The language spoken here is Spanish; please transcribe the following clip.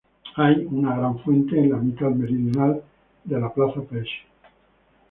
Hay una gran fuente en la mitad meridional de la Plaza Pershing.